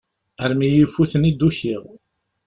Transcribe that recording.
Armi i yi-ifuten i d-ukiɣ.